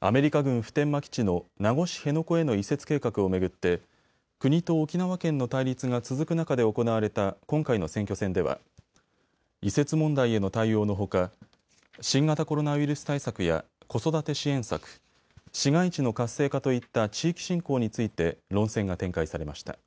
アメリカ軍普天間基地の名護市辺野古への移設計画を巡って国と沖縄県の対立が続く中で行われた今回の選挙戦では移設問題への対応のほか新型コロナウイルス対策や子育て支援策、市街地の活性化といった地域振興について論戦が展開されました。